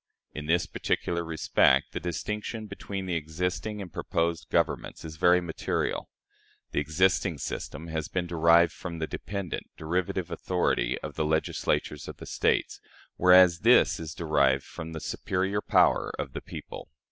In this particular respect the distinction between the existing and proposed governments is very material. The existing system has been derived from the dependent, derivative authority of the Legislatures of the States, whereas this is derived from the superior power of the people."